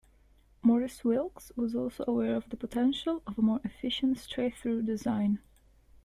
Maurice Wilks was also aware of the potential of a more efficient straight-through design.